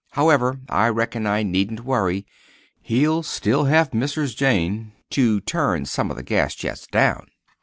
However, I reckon I needn't worry—he'll still have Mrs. Jane—to turn some of the gas jets down!